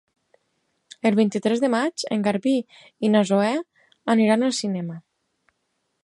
El vint-i-tres de maig en Garbí i na Zoè aniran al cinema.